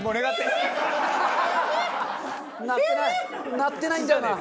鳴ってないんだよな！